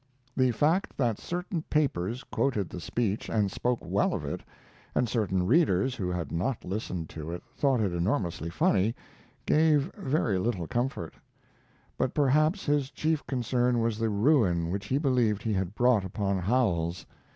The fact that certain papers quoted the speech and spoke well of it, and certain readers who had not listened to it thought it enormously funny, gave very little comfort. But perhaps his chief concern was the ruin which he believed he had brought upon Howells.